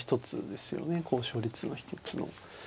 高勝率の秘けつの。